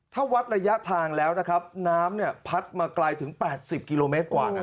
ถ้าวัดระยะทางแล้วนะครับน้ำพัดมาไกลถึง๘๐กิโลเมตรกว่า